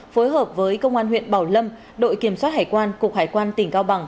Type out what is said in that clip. phối hợp với công an huyện bảo lâm đội kiểm soát hải quan cục hải quan tỉnh cao bằng